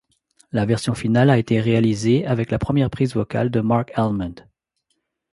La version finale a été réalisée avec la première prise vocale de Marc Almond.